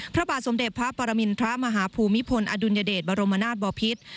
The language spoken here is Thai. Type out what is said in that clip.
พระบาทสมเด็จพระปรมินทรมาฮภูมิพลอดุลยเดชบรมนาศบอพิษ